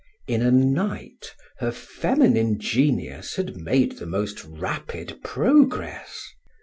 In a night her feminine genius had made the most rapid progress.